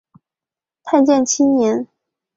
太建七年。